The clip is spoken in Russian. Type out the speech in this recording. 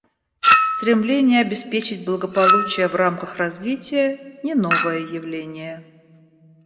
Стремление обеспечить благополучие в рамках развития — не новое явление.